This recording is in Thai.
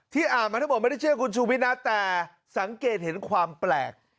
อ่านมาทั้งหมดไม่ได้เชื่อคุณชูวิทย์นะแต่สังเกตเห็นความแปลก